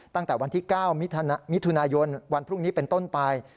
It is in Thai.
ตั้งแต่วันที่๙มิถุนายนวันพรุ่งนี้เป็นต้นไป